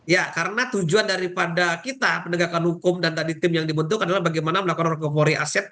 ya karena tujuan daripada kita penegakan hukum dan tadi tim yang dibentuk adalah bagaimana melakukan recovery aset